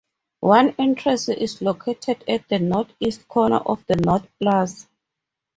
One entrance is located at the northeast corner of the north plaza.